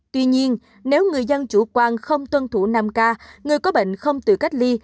tuy nhiên nếu người dân chủ quan không tuân thủ năm k người có bệnh không tự cách ly